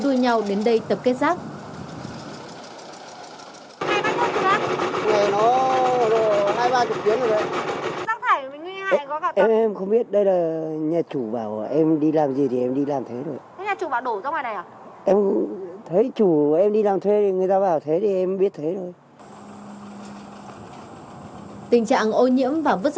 từ hoy đến giờ hiện là những tipos rác thải có thể trở lên trên đường